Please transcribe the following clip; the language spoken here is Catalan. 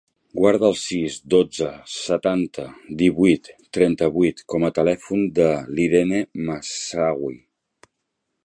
Guarda el sis, dotze, setanta, divuit, trenta-vuit com a telèfon de l'Irene Moussaoui.